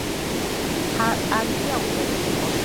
პანგეა უძველესი კონტინენტია